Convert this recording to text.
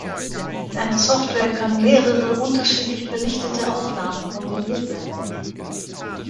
Mit einer Software können mehrere unterschiedlich belichtete Aufnahmen kombiniert werden.